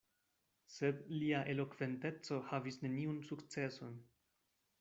Sed lia elokventeco havis neniun sukceson.